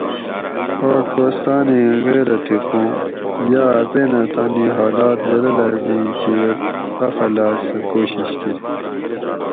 او کوستانیں غیرتی قوم یاۤ اپینہ تانی حالات بدلاگیں کیر اخلاص سہ کوشش کۤری